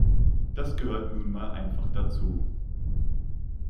Das gehört nun mal einfach dazu.